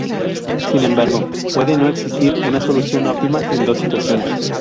Sin embargo, puede no existir una solución óptima en dos situaciones.